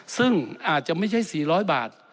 ซึ่งอาจจะไม่ใช่๔๐๐บาท